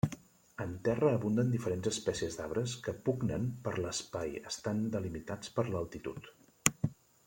En terra abunden diferents espècies d'arbres que pugnen per l'espai estan delimitats per l'altitud.